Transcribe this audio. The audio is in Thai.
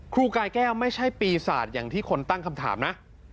ครูกายแก้วไม่ใช่ปีศาจอย่างที่คนตั้งคำถามนะ